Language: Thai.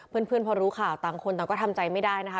เพื่อนพอรู้ข่าวต่างคนต่างก็ทำใจไม่ได้นะคะ